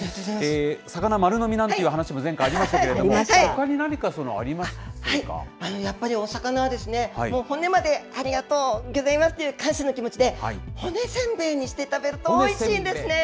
魚丸飲みなんて話も前回ありましたけれども、ほかに何かあやっぱりお魚は、骨までありがとうぎょざいますという感謝の気持ちで、骨せんべいにして食べるとおいしいですね。